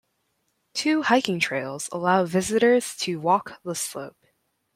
Two hiking trails allow visitors to walk the slope.